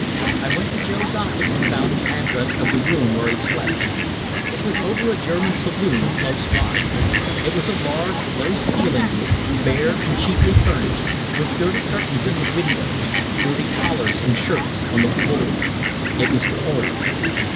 I went to Joe's office and found the address of the room where he slept. It was over a German saloon close by. It was a large, low ceilinged room, bare and cheaply furnished, with dirty curtains at the windows, dirty collars and shirts on the floor. It was cold.